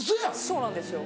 そうなんですよ。